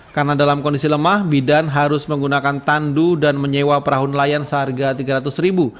karena dalam kondisi lemah bidan harus menggunakan tandu dan menyewa perahu nelayan seharga rp tiga ratus